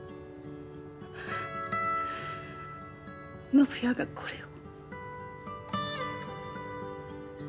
宣也がこれを？